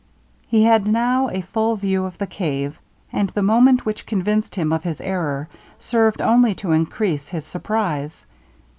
He had now a full view of the cave; and the moment which convinced him of his error served only to encrease his surprize.